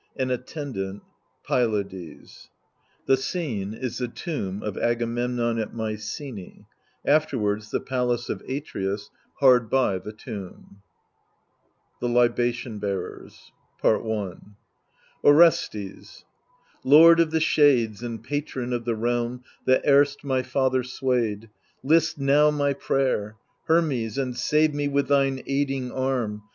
An Attendant. Pylades. The Seme is the Tomb of Agamemnon at Mycenae ; after wards^ the Palace of AtreuSf hard by the Tomb, THE LIBATION BEARERS Orestes Lord of the shades and patron of the realm That erst my father swayed, list now my prayer, Hermes, and save me with thine aiding arm.